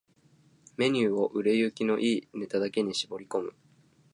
ⅱ メニューを売れ行きの良いネタだけに絞り込む